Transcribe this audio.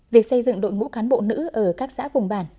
việc xây dựng đội ngũ cán bộ nữ ở các xã vùng bản